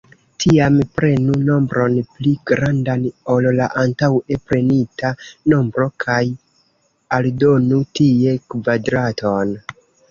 Tiam, prenu nombron pli grandan ol la antaŭe prenita nombro, kaj aldonu tie kvadraton.